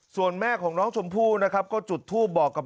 ส่วนแม่ของน้องชมพู่นะครับก็จุดทูปบอกกับ